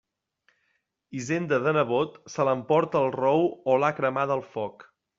Hisenda de nebot, se l'emporta el rou o l'ha cremada el foc.